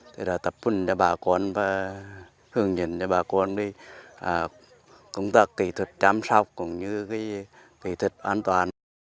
tập trung cho bà con và hướng dẫn cho bà con đi công tác kỹ thuật chăm sóc cũng như kỹ thuật an toàn